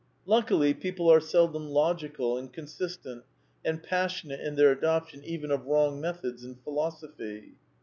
Luckily, people are seldom logical, and consistent, and passionate in their adoption even of wrong methods in Philosophy.